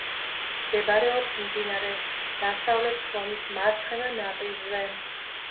მდებარეობს მდინარე დასავლეთ ფრონის მარცხენა ნაპირზე.